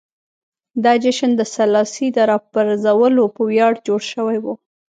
دا جشن د سلاسي د راپرځولو په ویاړ جوړ شوی و.